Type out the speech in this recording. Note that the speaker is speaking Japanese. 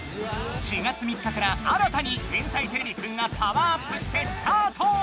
４月３日から新たに「天才てれびくん」がパワーアップしてスタート！